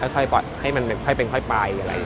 ค่อยปล่อยให้มันค่อยเป็นค่อยไปหรืออะไรอย่างนี้